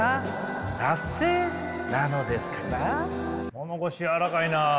物腰柔らかいな。